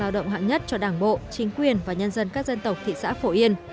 lao động hạng nhất cho đảng bộ chính quyền và nhân dân các dân tộc thị xã phổ yên